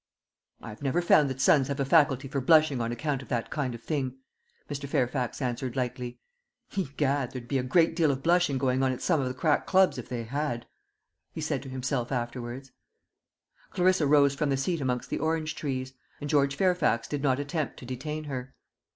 "I have never found that sons have a faculty for blushing on account of that kind of thing," Mr. Fairfax answered lightly. "Egad, there'd be a great deal of blushing going on at some of the crack clubs if they had!" he said to himself afterwards. Clarissa rose from the seat amongst the orange trees, and George Fairfax did not attempt to detain her.